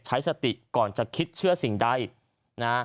ใช้สติก่อนจะคิดเชื่อสิ่งใดนะ